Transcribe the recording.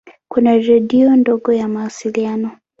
Kuna redio ndogo ya mawasiliano.